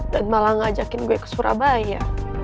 dan malah ngajakin gue ke surabaya